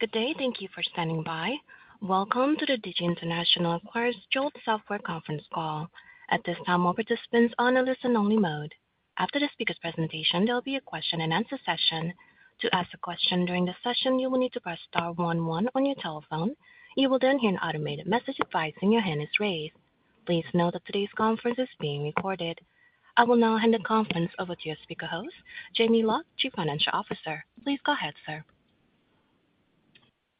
Good day. Thank you for standing by. Welcome to the Digi International Acquires Jolt Software Conference Call. At this time, all participants are on a listen-only mode. After the speaker's presentation, there will be a question-and-answer session. To ask a question during the session, you will need to press star one one on your telephone. You will then hear an automated message advise that your hand is raised. Please note that today's conference is being recorded. I will now hand the conference over to your speaker host, Jamie Loch, Chief Financial Officer. Please go ahead, sir.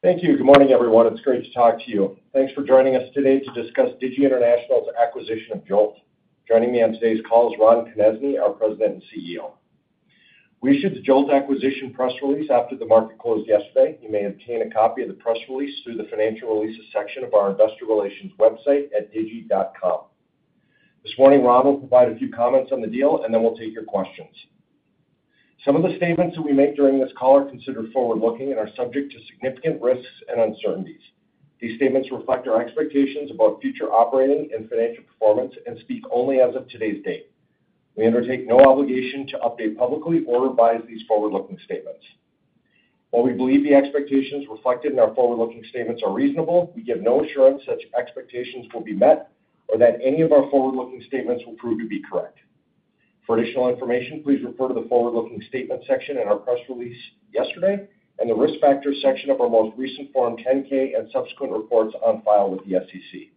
Thank you. Good morning, everyone. It's great to talk to you. Thanks for joining us today to discuss Digi International's acquisition of Jolt. Joining me on today's call is Ron Konezny, our President and CEO. We issued the Jolt acquisition press release after the market closed yesterday. You may obtain a copy of the press release through the Financial Releases section of our investor relations website at digi.com. This morning, Ron will provide a few comments on the deal, and then we'll take your questions. Some of the statements that we make during this call are considered forward-looking and are subject to significant risks and uncertainties. These statements reflect our expectations about future operating and financial performance and speak only as of today's date. We undertake no obligation to update publicly or revise these forward-looking statements. While we believe the expectations reflected in our forward-looking statements are reasonable, we give no assurance that your expectations will be met or that any of our forward-looking statements will prove to be correct. For additional information, please refer to the Forward Looking Statements section in our press release yesterday and the Risk Factors section of our most recent Form 10-K and subsequent reports on file with the SEC.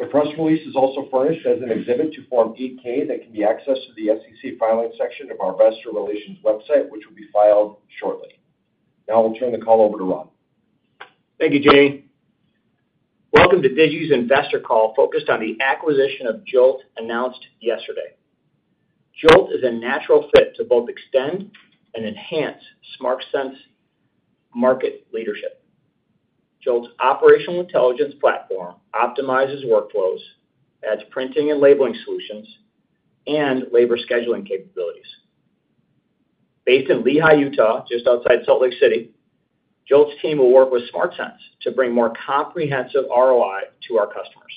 The press release is also furnished as an exhibit to Form 8-K that can be accessed through the SEC filing section of our investor relations website, which will be filed shortly. Now I'll turn the call over to Ron. Thank you, Jay. Welcome to Digi's investor call focused on the acquisition of Jolt announced yesterday. Jolt is a natural fit to both extend and enhance SmartSense market leadership. Jolt's operational intelligence platform optimizes workflows, adds printing and labeling solutions, and labor scheduling capabilities. Based in Lehi, Utah, just outside Salt Lake City, Jolt's team will work with SmartSense to bring more comprehensive ROI to our customers.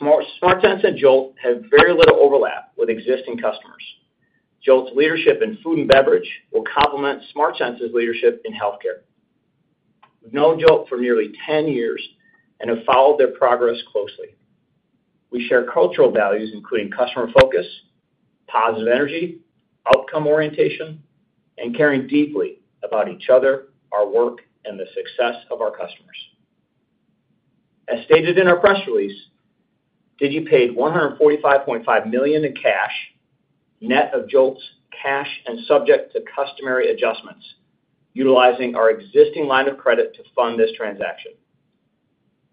SmartSense and Jolt have very little overlap with existing customers. Jolt's leadership in food and beverage will complement SmartSense's leadership in healthcare. We've known Jolt for nearly 10 years and have followed their progress closely. We share cultural values including customer focus, positive energy, outcome orientation, and caring deeply about each other, our work, and the success of our customers. As stated in our press release, Digi paid $145.5 million in cash, net of Jolt's cash and subject to customary adjustments, utilizing our existing line of credit to fund this transaction.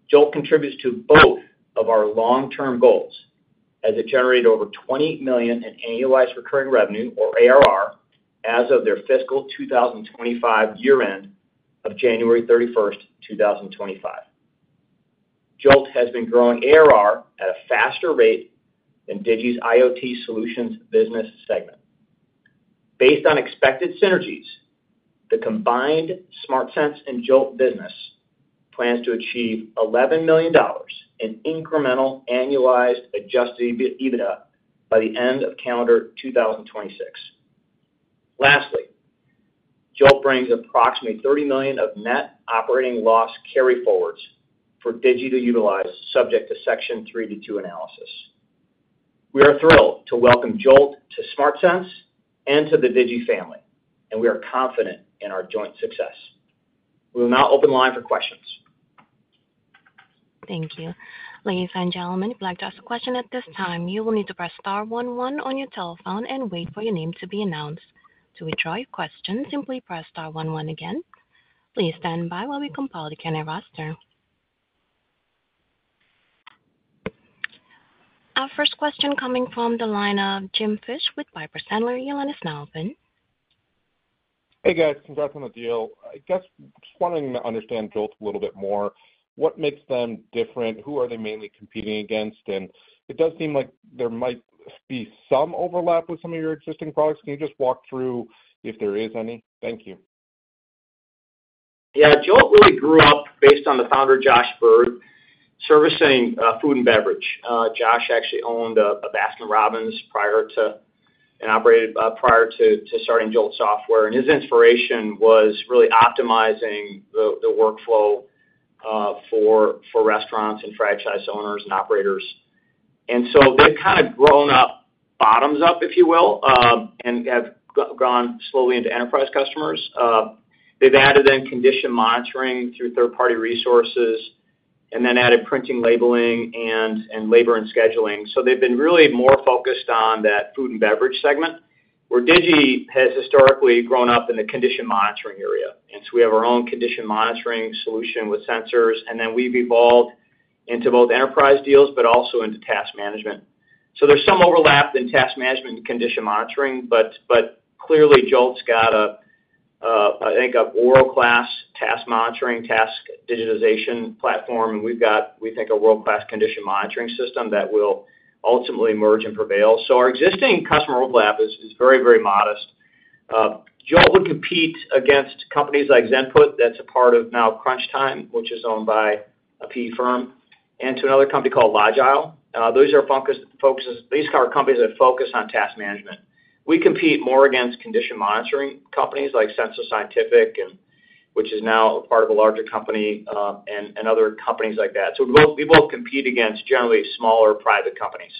Jolt contributes to both of our long-term goals, as it generated over $20 million in annualized recurring revenue, or ARR, as of their fiscal 2025 year-end of January 31st, 2025. Jolt has been growing ARR at a faster rate than Digi's IoT Solutions segment. Based on expected synergies, the combined SmartSense and Jolt business plans to achieve $11 million in incremental annualized adjusted EBITDA by the end of calendar 2026. Lastly, Jolt brings approximately $30 million of net operating loss carryforwards for Digi to utilize, subject to Section 302 analysis. We are thrilled to welcome Jolt to SmartSense and to the Digi family, and we are confident in our joint success. We will now open the line for questions. Thank you. Ladies and gentlemen, if you'd like to ask a question at this time, you will need to press star one one on your telephone and wait for your name to be announced. To withdraw your question, simply press star one one again. Please stand by while we compile the candidate roster. Our first question coming from the line of Jim Fish with Piper Sandler, your line is now open. Hey, guys. Congrats on the deal. I guess I'm just wanting to understand Jolt a little bit more. What makes them different? Who are they mainly competing against? It does seem like there might be some overlap with some of your existing products. Can you just walk through if there is any? Thank you. Yeah, Jolt really grew up based on the founder, Josh Bird, servicing food and beverage. Josh actually owned a Baskin-Robbins prior to and operated prior to starting Jolt Software. His inspiration was really optimizing the workflow for restaurants and franchise owners and operators. They've kind of grown up bottoms up, if you will, and have gone slowly into enterprise customers. They've added then condition monitoring through third-party resources and then added printing, labeling, and labor scheduling. They've been really more focused on that food and beverage segment, where Digi has historically grown up in the condition monitoring area. We have our own condition monitoring solution with sensors, and we've evolved into both enterprise deals, but also into task management. There's some overlap in task management and condition monitoring, but clearly, Jolt's got, I think, a world-class task monitoring, task digitization platform. We've got, we think, a world-class condition monitoring system that will ultimately emerge and prevail. Our existing customer overlap is very, very modest. Jolt would compete against companies like Zenput, that's a part of now CrunchTime, which is owned by a PE firm, and another company called Logile. These are companies that focus on task management. We compete more against condition monitoring companies like SensoScientific, which is now a part of a larger company, and other companies like that. We both compete against generally smaller private companies.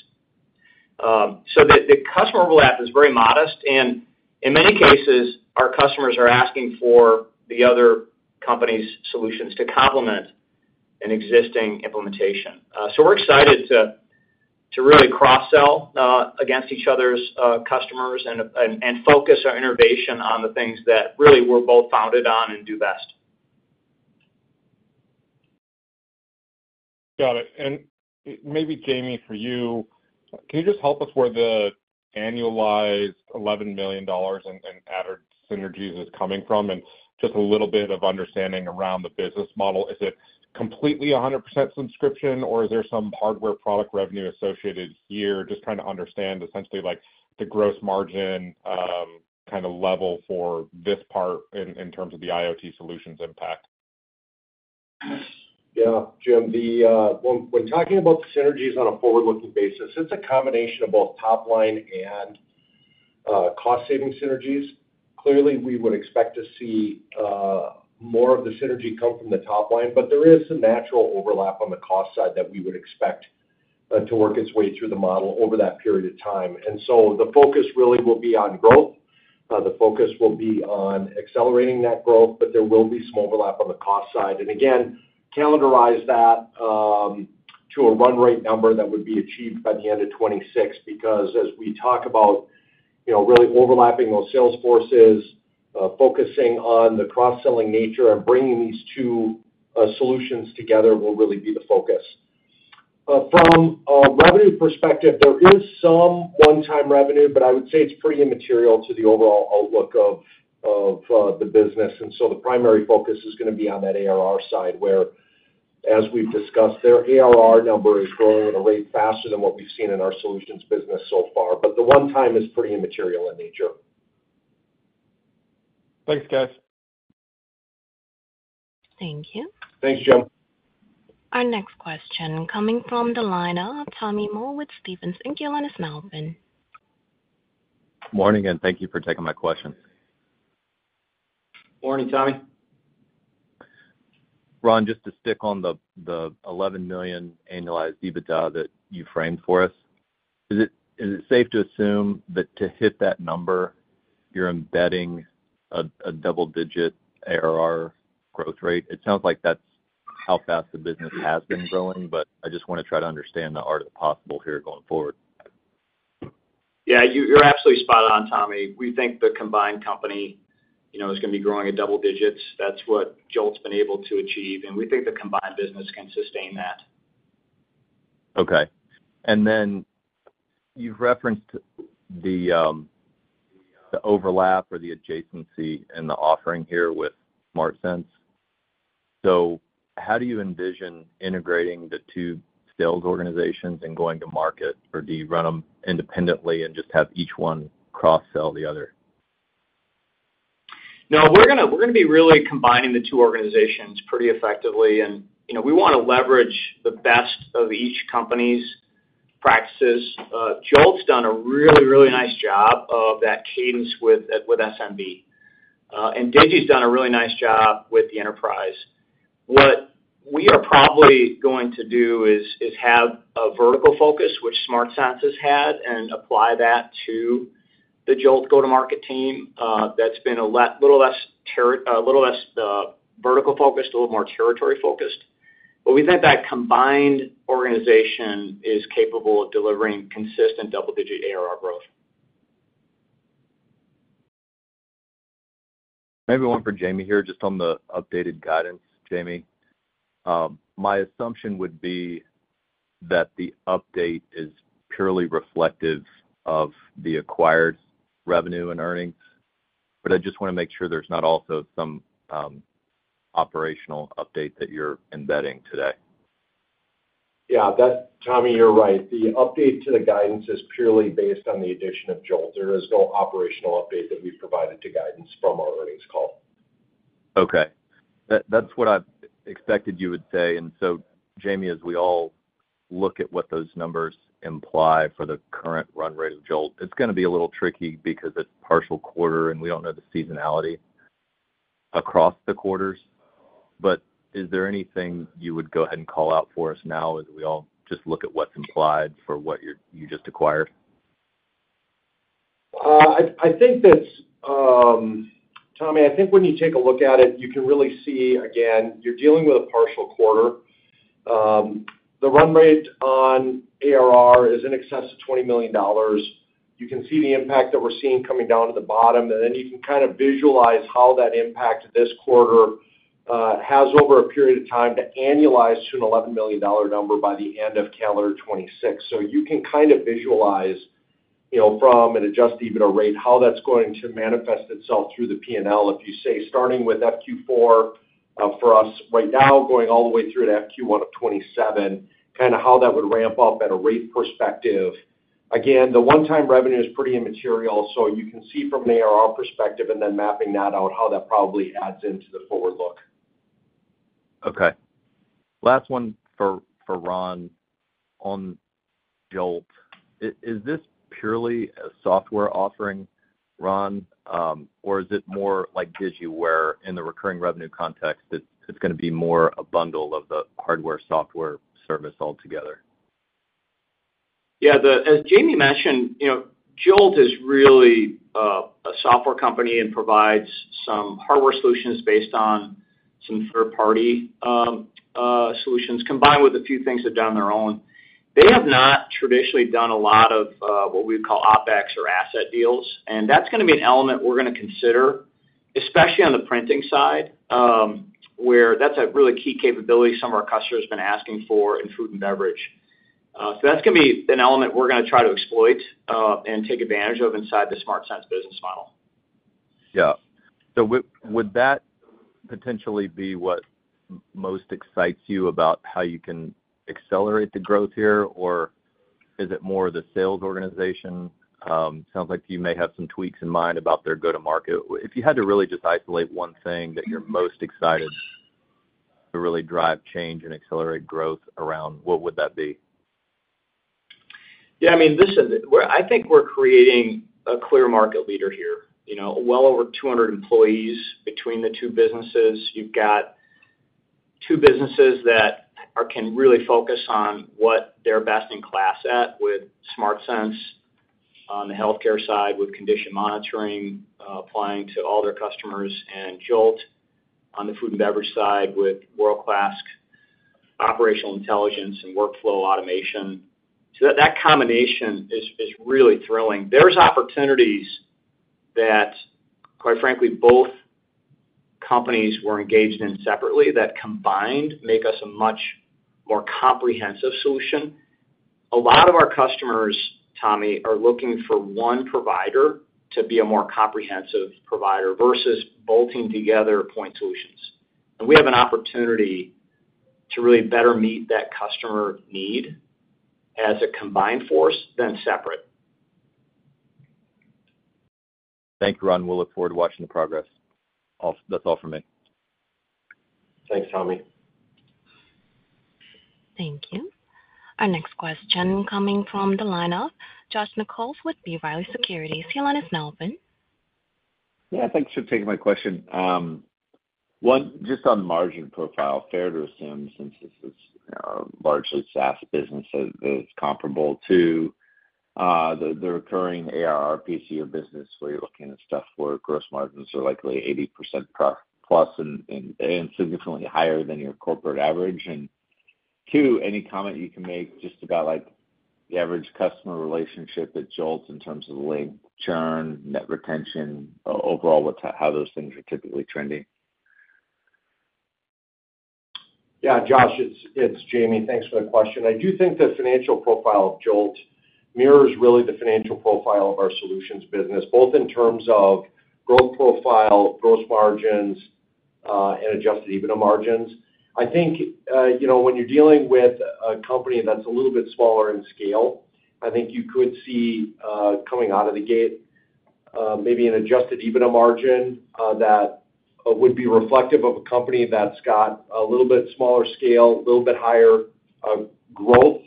The customer overlap is very modest, and in many cases, our customers are asking for the other company's solutions to complement an existing implementation. We're excited to really cross-sell against each other's customers and focus our innovation on the things that really we're both founded on and do best. Got it. Jamie, for you, can you just help us where the annualized $11 million in added synergies is coming from? Just a little bit of understanding around the business model. Is it completely 100% subscription, or is there some hardware product revenue associated here? Just trying to understand essentially like the gross margin kind of level for this part in terms of the IoT Solutions segment impact. Yeah, Jim. When talking about synergies on a forward-looking basis, it's a combination of both top-line and cost-saving synergies. Clearly, we would expect to see more of the synergy come from the top line, but there is some natural overlap on the cost side that we would expect to work its way through the model over that period of time. The focus really will be on growth. The focus will be on accelerating that growth, but there will be some overlap on the cost side. Calendarize that to a run rate number that would be achieved by the end of 2026, because as we talk about, you know, really overlapping those sales forces, focusing on the cross-selling nature and bringing these two solutions together will really be the focus. From a revenue perspective, there is some one-time revenue, but I would say it's pretty immaterial to the overall outlook of the business. The primary focus is going to be on that ARR side, where as we've discussed, their ARR number is growing at a rate faster than what we've seen in our solutions business so far. The one-time is pretty immaterial in nature. Thanks, guys. Thank you. Thanks, Jim. Our next question coming from the line of Tommy Moll with Stephens Inc., your line is now open. Morning again. Thank you for taking my question. Morning, Tommy. Ron, just to stick on the $11 million annualized adjusted EBITDA that you framed for us, is it safe to assume that to hit that number, you're embedding a double-digit ARR growth rate? It sounds like that's how fast the business has been growing, but I just want to try to understand the art of the possible here going forward. Yeah, you're absolutely spot on, Tommy. We think the combined company is going to be growing at double digits. That's what Jolt's been able to achieve, and we think the combined business can sustain that. Okay. You've referenced the overlap or the adjacency in the offering here with SmartSense. How do you envision integrating the two sales organizations and going to market, or do you run them independently and just have each one cross-sell the other? No, we're going to be really combining the two organizations pretty effectively. You know, we want to leverage the best of each company's practices. Jolt's done a really, really nice job of that cadence with SMB, and Digi's done a really nice job with the enterprise. What we are probably going to do is have a vertical focus, which SmartSense has had, and apply that to the Jolt go-to-market team that's been a little less vertical focused, a little more territory-focused. We think that combined organization is capable of delivering consistent double-digit ARR growth. Maybe one for Jamie here, just on the updated guidance. Jamie, my assumption would be that the update is purely reflective of the acquired revenue and earnings, but I just want to make sure there's not also some operational update that you're embedding today. Yeah, Tommy, you're right. The update to the guidance is purely based on the addition of Jolt. There is no operational update that we've provided to guidance from our earnings call. Okay. That's what I expected you would say. Jamie, as we all look at what those numbers imply for the current run rate of Jolt, it's going to be a little tricky because it's partial quarter, and we don't know the seasonality across the quarters. Is there anything you would go ahead and call out for us now as we all just look at what's implied for what you just acquired? I think that's, Tommy, I think when you take a look at it, you can really see, again, you're dealing with a partial quarter. The run rate on ARR is in excess of $20 million. You can see the impact that we're seeing coming down to the bottom, and then you can kind of visualize how that impact this quarter has over a period of time to annualize to an $11 million number by the end of calendar 2026. You can kind of visualize, you know, from an adjusted EBITDA rate how that's going to manifest itself through the P&L. If you say starting with FQ4 for us right now, going all the way through to FQ1 of 2027, kind of how that would ramp up at a rate perspective. Again, the one-time revenue is pretty immaterial. You can see from an ARR perspective and then mapping that out how that probably adds into the forward look. Okay. Last one for Ron on Jolt. Is this purely a software offering, Ron, or is it more like Digi where in the recurring revenue context, it's going to be more a bundle of the hardware/software service altogether? Yeah, as Jamie Loch mentioned, you know, Jolt is really a software company and provides some hardware solutions based on some third-party solutions combined with a few things they've done on their own. They have not traditionally done a lot of what we would call OpEx or asset deals. That is going to be an element we are going to consider, especially on the printing side, where that's a really key capability some of our customers have been asking for in food and beverage. That is going to be an element we are going to try to exploit and take advantage of inside the SmartSense business model. Would that potentially be what most excites you about how you can accelerate the growth here, or is it more of the sales organization? It sounds like you may have some tweaks in mind about their go-to-market. If you had to really just isolate one thing that you're most excited to really drive change and accelerate growth around, what would that be? Yeah, I mean, listen, I think we're creating a clear market leader here. You know, well over 200 employees between the two businesses. You've got two businesses that can really focus on what they're best in class at, with SmartSense on the healthcare side with condition monitoring, applying to all their customers, and Jolt on the food and beverage side with world-class operational intelligence and workflow automation. That combination is really thrilling. There are opportunities that, quite frankly, both companies were engaged in separately that combined make us a much more comprehensive solution. A lot of our customers, Tommy, are looking for one provider to be a more comprehensive provider versus bolting together point solutions. We have an opportunity to really better meet that customer need as a combined force than separate. Thank you, Ron. I look forward to watching the progress. That's all from me. Thanks, Tommy. Thank you. Our next question coming from the line of Josh Nichols with B. Riley Securities. Your line is now open. Yeah, thanks for taking my question. One, just on the margin profile, fair to assume, since this is largely SaaS business that is comparable to the recurring ARR/PCE business, where you're looking at stuff where gross margins are likely 80%+ and significantly higher than your corporate average. Two, any comment you can make just about like the average customer relationship at Jolt in terms of the churn, net retention, overall how those things are typically trending? Yeah, Josh, it's Jamie. Thanks for the question. I do think the financial profile of Jolt mirrors really the financial profile of our solutions business, both in terms of growth profile, gross margins, and adjusted EBITDA margins. When you're dealing with a company that's a little bit smaller in scale, I think you could see coming out of the gate maybe an adjusted EBITDA margin that would be reflective of a company that's got a little bit smaller scale, a little bit higher growth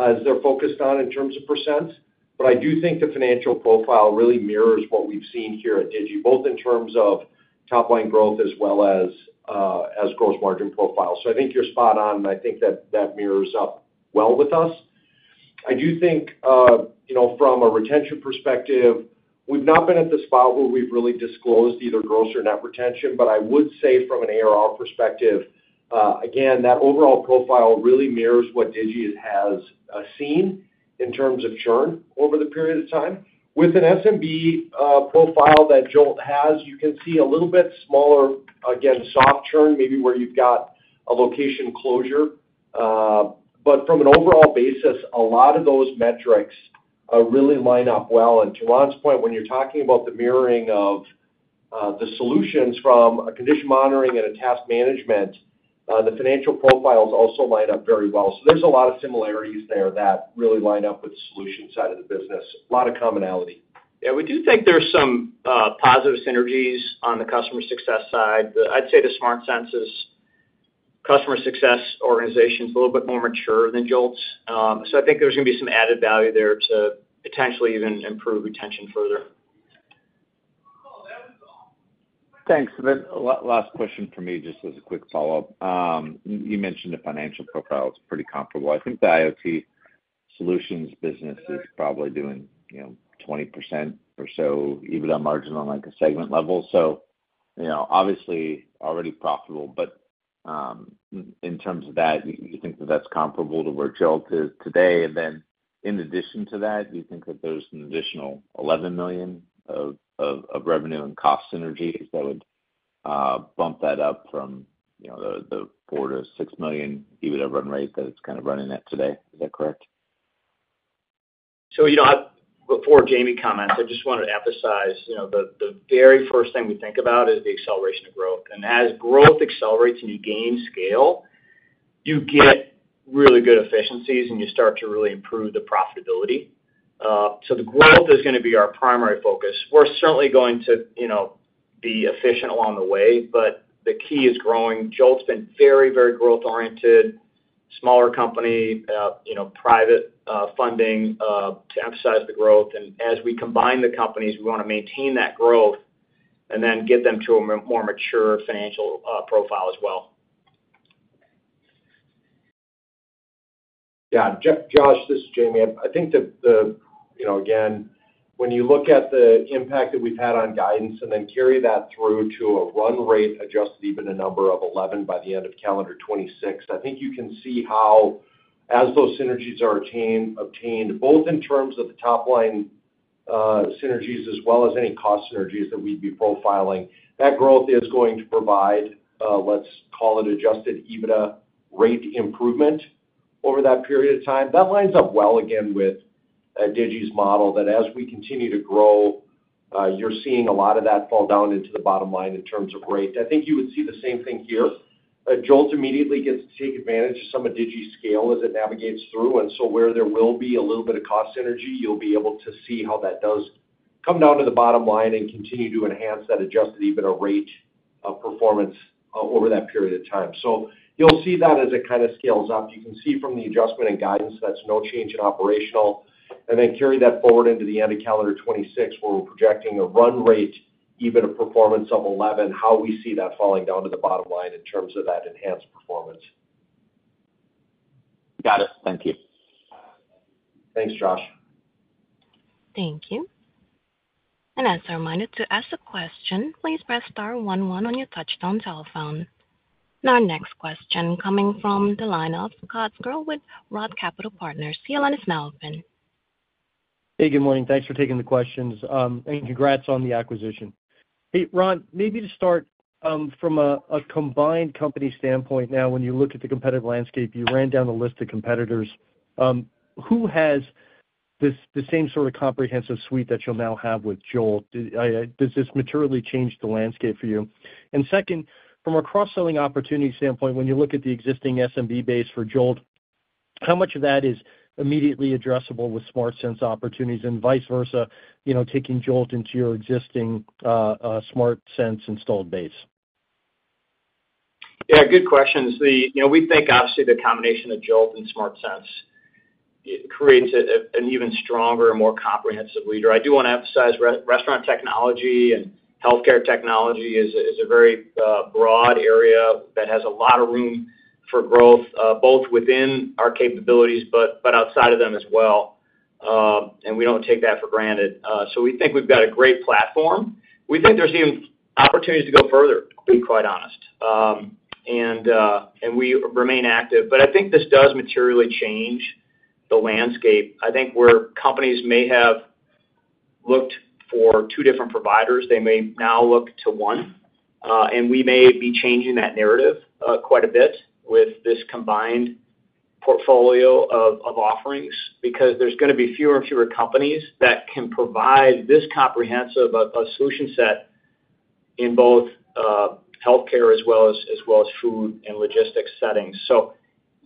as they're focused on in terms of percent. I do think the financial profile really mirrors what we've seen here at Digi, both in terms of top-line growth as well as gross margin profile. I think you're spot on, and I think that that mirrors up well with us. From a retention perspective, we've not been at the spot where we've really disclosed either gross or net retention, but I would say from an ARR perspective, again, that overall profile really mirrors what Digi has seen in terms of churn over the period of time. With an SMB profile that Jolt has, you can see a little bit smaller, again, soft churn, maybe where you've got a location closure. From an overall basis, a lot of those metrics really line up well. To Ron's point, when you're talking about the mirroring of the solutions from a condition monitoring and a task management, the financial profiles also line up very well. There's a lot of similarities there that really line up with the solution side of the business. A lot of commonality. Yeah, we do think there's some positive synergies on the customer success side. I'd say the SmartSense's customer success organization is a little bit more mature than Jolt's. I think there's going to be some added value there to potentially even improve retention further. Thanks. Last question for me, just as a quick follow-up. You mentioned the financial profile is pretty comparable. I think the IoT Solutions segment is probably doing 20% or so EBITDA margin on a segment level. Obviously already profitable, but in terms of that, you think that that's comparable to where Jolt is today. In addition to that, do you think that there's an additional $11 million of revenue and cost synergy that would bump that up from the $4 million-$6 million EBITDA run rate that it's kind of running at today? Is that correct? Before Jamie comments, I just wanted to emphasize the very first thing we think about is the acceleration of growth. As growth accelerates and you gain scale, you get really good efficiencies and you start to really improve the profitability. The growth is going to be our primary focus. We're certainly going to be efficient along the way, but the key is growing. Jolt's been very, very growth-oriented, smaller company, private funding to emphasize the growth. As we combine the companies, we want to maintain that growth and then get them to a more mature financial profile as well. Yeah. Josh, this is Jamie. I think that, you know, again, when you look at the impact that we've had on guidance and then carry that through to a run rate adjusted EBITDA number of $11 million by the end of calendar 2026, I think you can see how, as those synergies are obtained, both in terms of the top-line synergies as well as any cost synergies that we'd be profiling, that growth is going to provide, let's call it, adjusted EBITDA rate improvement over that period of time. That lines up well, again, with Digi's model that as we continue to grow, you're seeing a lot of that fall down into the bottom line in terms of rate. I think you would see the same thing here. Jolt immediately gets to take advantage of some of Digi's scale as it navigates through. Where there will be a little bit of cost synergy, you'll be able to see how that does come down to the bottom line and continue to enhance that adjusted EBITDA rate performance over that period of time. You'll see that as it kind of scales up. You can see from the adjustment in guidance there's no change in operational. Then carry that forward into the end of calendar 2026, where we're projecting a run rate EBITDA performance of $11 million, how we see that falling down to the bottom line in terms of that enhanced performance. Got it. Thank you. Thanks, Josh. Thank you. As a reminder, to ask a question, please press star one one on your touch-tone telephone. Our next question is coming from the line of Scott Searle with ROTH Capital Partners. You now have an open line. Hey, good morning. Thanks for taking the questions. Congrats on the acquisition. Hey, Ron, maybe to start from a combined company standpoint now, when you look at the competitive landscape, you ran down the list of competitors. Who has the same sort of comprehensive suite that you'll now have with Jolt? Does this materially change the landscape for you? Second, from a cross-selling opportunity standpoint, when you look at the existing SMB base for Jolt, how much of that is immediately addressable with SmartSense opportunities and vice versa, you know, taking Jolt into your existing SmartSense installed base? Yeah, good questions. We think, obviously, the combination of Jolt and SmartSense creates an even stronger and more comprehensive leader. I do want to emphasize restaurant technology and healthcare technology is a very broad area that has a lot of room for growth, both within our capabilities, but outside of them as well. We don't take that for granted. We think we've got a great platform. We think there's even opportunities to go further, to be quite honest. We remain active. I think this does materially change the landscape. Where companies may have looked for two different providers, they may now look to one. We may be changing that narrative quite a bit with this combined portfolio of offerings because there's going to be fewer and fewer companies that can provide this comprehensive solution set in both healthcare as well as food and logistics settings.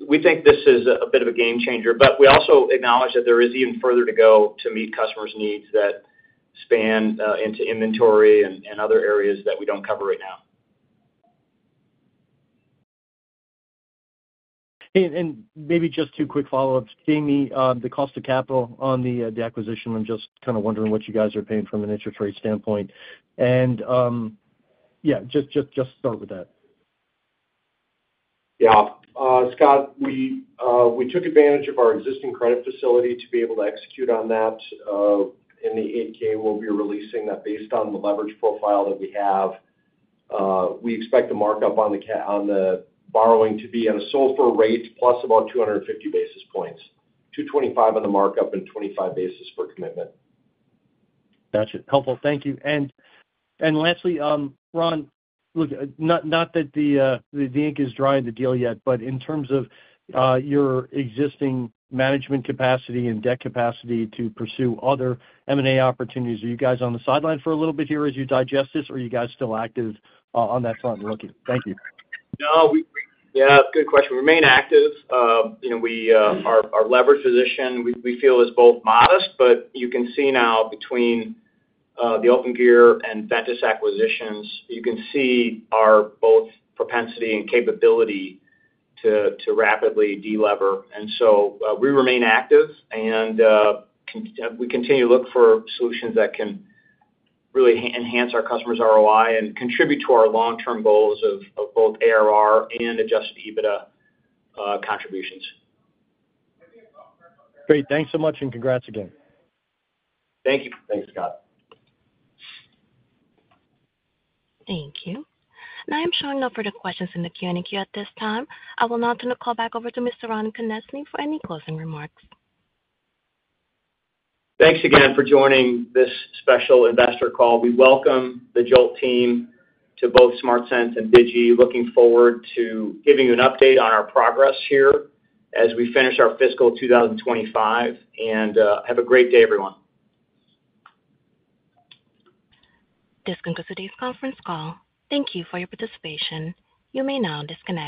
We think this is a bit of a game changer, but we also acknowledge that there is even further to go to meet customers' needs that span into inventory and other areas that we don't cover right now. Maybe just two quick follow-ups. Jamie, the cost of capital on the acquisition, I'm just kind of wondering what you guys are paying from an interest rate standpoint. Just start with that. Yeah. Scott, we took advantage of our existing credit facility to be able to execute on that in the 8K when we were releasing that based on the leverage profile that we have. We expect a markup on the borrowing to be at a SOFR rate plus about 250 basis points. 225 basis points on the markup and 25 basis points for commitment. Gotcha. Helpful. Thank you. Lastly, Ron, look, not that the ink is dry in the deal yet, but in terms of your existing management capacity and debt capacity to pursue other M&A opportunities, are you guys on the sideline for a little bit here as you digest this, or are you guys still active on that front and looking? Thank you. Good question. We remain active. Our leverage position we feel is both modest, but you can see now between the Opengear and Ventus acquisitions, you can see our both propensity and capability to rapidly de-lever. We remain active, and we continue to look for solutions that can really enhance our customers' ROI and contribute to our long-term goals of both ARR and adjusted EBITDA contributions. Great, thanks so much, and congrats again. Thank you. Thanks, Scott. Thank you. I am showing no further questions in the Q&A queue at this time. I will now turn the call back over to Mr. Ron Konezny for any closing remarks. Thanks again for joining this special investor call. We welcome the Jolt team to both SmartSense and Digi. Looking forward to giving you an update on our progress here as we finish our fiscal 2025. Have a great day, everyone. This concludes today's conference call. Thank you for your participation. You may now disconnect.